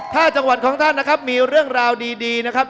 ถ้าจังหวัดของท่านนะครับมีเรื่องราวดีนะครับ